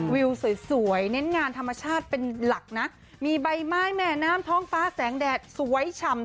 วิวสวยเน้นงานธรรมชาติเป็นหลักนะมีใบไม้แม่น้ำท้องฟ้าแสงแดดสวยฉ่ำ